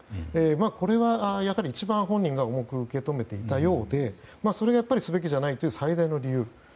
これはやはり一番、本人が重く受け止めていたようでそれはすべきじゃないという最大の理由。